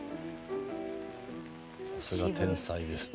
さすが天才ですね。